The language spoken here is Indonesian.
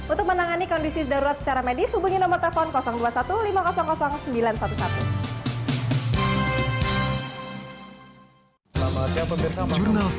untuk menangani kondisi darurat secara medis hubungi nomor telepon dua puluh satu lima sembilan ratus sebelas